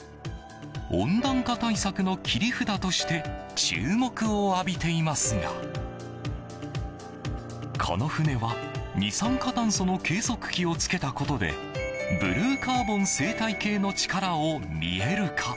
温暖化対策の切り札として注目を浴びていますがこの船は二酸化炭素の計測器を付けたことでブルーカーボン生態系の力を見える化。